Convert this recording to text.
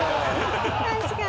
確かに。